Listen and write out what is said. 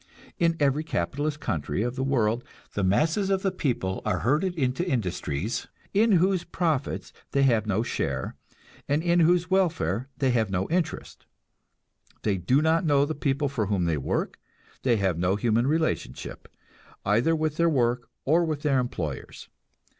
In every capitalist country of the world the masses of the people are herded into industries, in whose profits they have no share, and in whose welfare they have no interest. They do not know the people for whom they work; they have no human relationship, either with their work or with their employers.